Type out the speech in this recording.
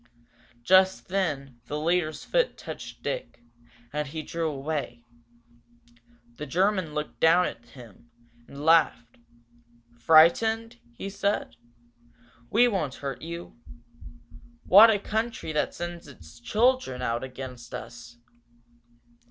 Just then the leader's foot touched Dick, and he drew away. The German looked down at him, and laughed. "Frightened!" he said. "We won't hurt you! What a country that sends its children out against us!"